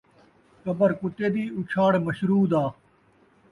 قبر کتے دی ، اُچھاڑ مشروع دا